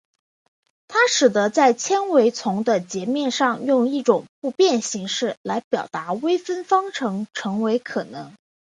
它使得在纤维丛的截面上用一种不变形式来表达微分方程成为可能。